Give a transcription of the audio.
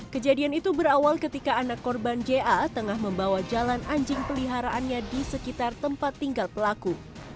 kejadian itu berawal ketika anak korban ja tengah membawa jalan anjing peliharaannya di sekitar tempat tinggal pelaku